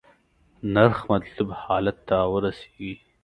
نرخ مطلوب حالت ته ورسیږي.